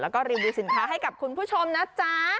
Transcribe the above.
แล้วก็รีวิวสินค้าให้กับคุณผู้ชมนะจ๊ะ